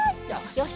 よし。